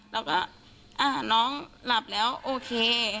เราก็อ่าน้องหลับแล้วโอเค